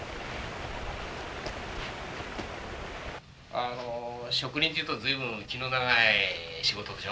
あの植林というと随分気の長い仕事でしょ。